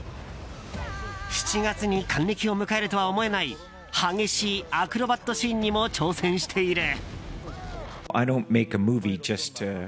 ７月に還暦を迎えるとは思えない激しいアクロバットシーンにも挑戦している。